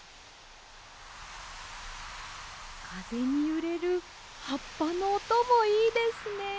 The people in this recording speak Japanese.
かぜにゆれるはっぱのおともいいですね。